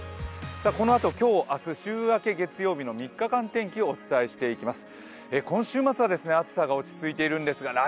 このあと今日明日、週明け月曜日の３日間天気をお伝えしていきます。